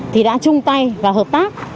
thì đã chung tay và hợp tác